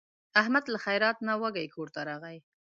احمد له خیرات نه وږی کورته راغی.